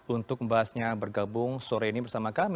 untuk membahasnya bergabung sore ini bersama kami